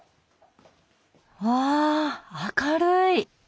わあ明るい！